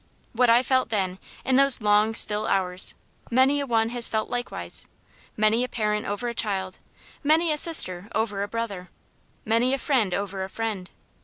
What I felt then, in those long, still hours, many a one has felt likewise; many a parent over a child, many a sister over a brother, many a friend over a friend.